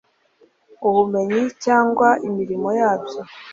ubumenyi cyangwa imirimo byabo